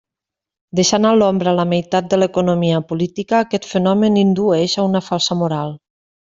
Deixant a l'ombra la meitat de l'economia política, aquest fenomen indueix a una falsa moral.